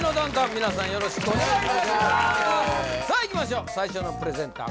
皆さんよろしくお願いいたしますさあいきましょう最初のプレゼンター